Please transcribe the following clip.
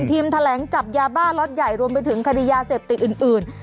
ทีมแถลงจับยาบ้าล็อตใหญ่รวมไปถึงคดียาเสพติดอื่น